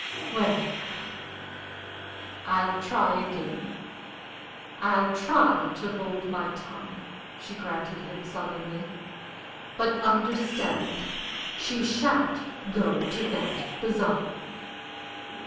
"Well, I'll try again. I'll try to hold my tongue," she granted him, sullenly. "But, understand, she, sha'n't go to that bazaar!"